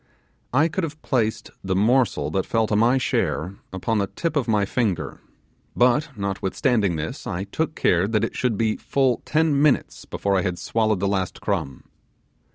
I could have placed the morsel that fell to my share upon the tip of my finger; but notwithstanding this I took care that it should be full ten minutes before I had swallowed the last crumb.